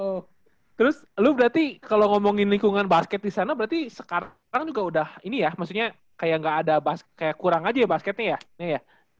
oh terus lu berarti kalo ngomongin lingkungan basket disana berarti sekarang juga udah ini ya maksudnya kaya gak ada kayak kurang aja ya basketnya ya ini ya